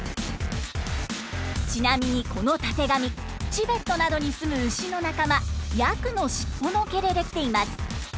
ちなみにこのたてがみチベットなどに住む牛の仲間ヤクの尻尾の毛で出来ています。